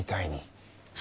はい。